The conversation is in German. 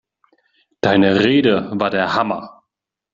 Deine Rede war der Hammer!